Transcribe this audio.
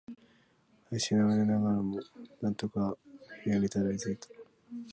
怪しまれながらも、なんとか部屋にたどり着いた。